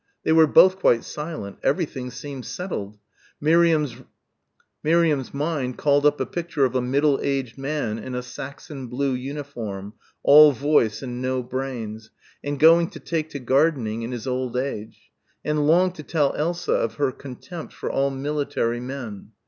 They were both quite silent. Everything seemed settled. Miriam's mind called up a picture of a middle aged man in a Saxon blue uniform all voice and no brains and going to take to gardening in his old age and longed to tell Elsa of her contempt for all military men.